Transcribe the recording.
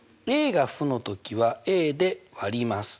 が負の時はで割ります。